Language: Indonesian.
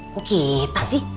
gak kita sih